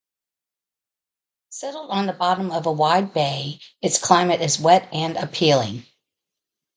Settled on the bottom of a wide bay, its climate is wet and appealing.